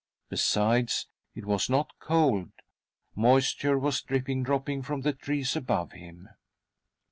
Besides, it was not cold ; moisture was dripping dropping from the trees above him.